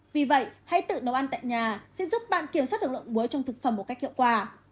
vì vậy hãy tự nấu ăn tại nhà sẽ giúp bạn kiểm soát được lượng bứa trong thực phẩm một cách hiệu quả